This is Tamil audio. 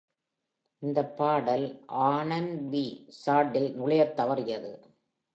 இந்த பாடல் ஆர் அண்ட் பி சார்ட்டில் நுழையத் தவறியது.